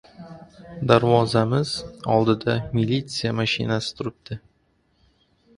Darvozamiz oldida militsiya mashinasi turibdi!